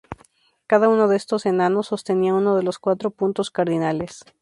Cada uno de estos enanos sostenía uno de los cuatro puntos cardinales.